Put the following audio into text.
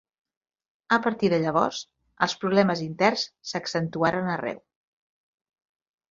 A partir de llavors els problemes interns s'accentuaren arreu.